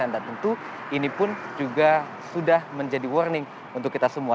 tentu ini pun juga sudah menjadi warning untuk kita semua